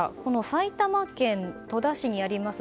埼玉県戸田市にあります